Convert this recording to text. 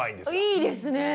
いいですね。